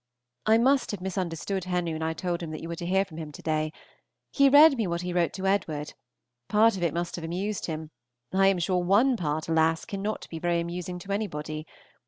I must have misunderstood Henry when I told you that you were to hear from him to day. He read me what he wrote to Edward: part of it must have amused him, I am sure one part, alas! cannot be very amusing to anybody.